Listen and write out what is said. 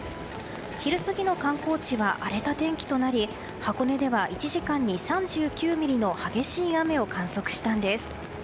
昼過ぎの観光地は荒れた天気となり箱根では１時間に３９ミリの激しい雨を観測したんです。